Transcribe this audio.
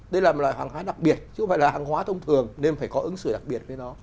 đây là một loại hàng hóa đặc biệt chứ không phải là hàng hóa thông thường nên phải có ứng xử đặc biệt với nó